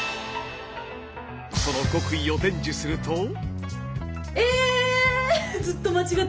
その極意を伝授すると。